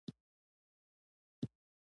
ایا زما اعصاب به ښه شي؟